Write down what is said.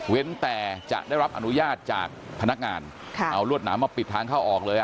แต่จะได้รับอนุญาตจากพนักงานเอารวดหนามมาปิดทางเข้าออกเลย